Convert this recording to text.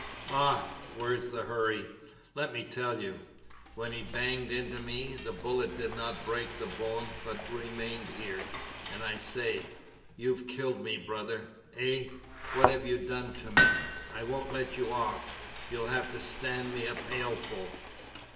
'Ah, where's the hurry! Let me tell you. When he banged into me, the bullet did not break the bone but remained here. And I say: "You've killed me, brother. Eh! What have you done to me? I won't let you off! You'll have to stand me a pailful!"'